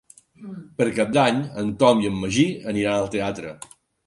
Per Cap d'Any en Tom i en Magí aniran al teatre.